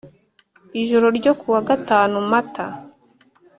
ijoro ryo kuwa gatanu mata